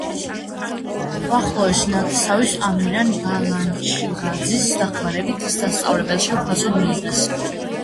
უახლოესი ნათესავის, ამირან ბალანჩივაძის დახმარებით ის სასწავლებელში უფასოდ მიიღეს.